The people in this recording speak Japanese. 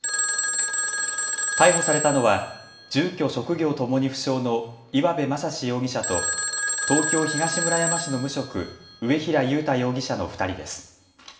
逮捕されたのは住居・職業ともに不詳の岩部真心容疑者と東京東村山市の無職、上平悠太容疑者の２人です。